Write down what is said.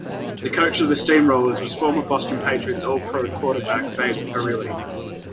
The coach of the Steamrollers was former Boston Patriots All-Pro quarterback Babe Parilli.